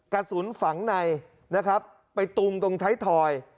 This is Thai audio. กระสุนฝังในนะครับไปตุงตรงไทยทอย